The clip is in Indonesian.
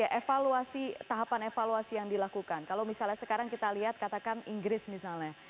ya evaluasi tahapan evaluasi yang dilakukan kalau misalnya sekarang kita lihat katakan inggris misalnya